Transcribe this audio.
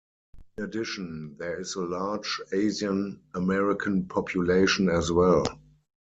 In addition, there is a large Asian American population as well.